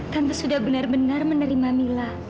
kami sudah benar benar menerima mila